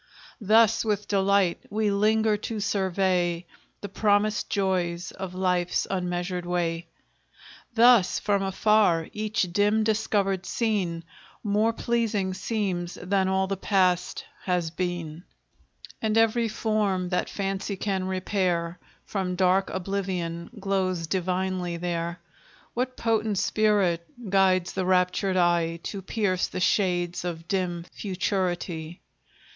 Thus with delight we linger to survey The promised joys of life's unmeasured way; Thus, from afar, each dim discovered scene More pleasing seems than all the past hath been, And every form that Fancy can repair From dark oblivion glows divinely there. What potent spirit guides the raptured eye To pierce the shades of dim futurity?